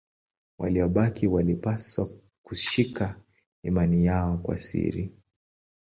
Waliobaki walipaswa kushika imani yao kwa siri.